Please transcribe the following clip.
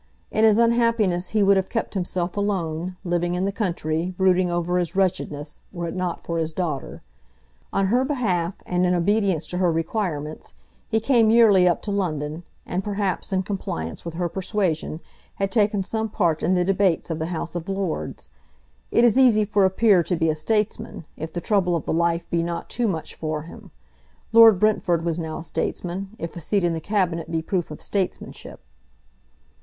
In his unhappiness he would have kept himself alone, living in the country, brooding over his wretchedness, were it not for his daughter. On her behalf, and in obedience to her requirements, he came yearly up to London, and, perhaps in compliance with her persuasion, had taken some part in the debates of the House of Lords. It is easy for a peer to be a statesman, if the trouble of the life be not too much for him. Lord Brentford was now a statesman, if a seat in the Cabinet be proof of statesmanship.